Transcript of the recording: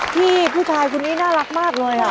ที่ผู้ชายคนนี้น่ารักมากเลย